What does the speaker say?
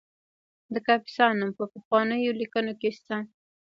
د کاپیسا نوم په پخوانیو لیکنو کې شته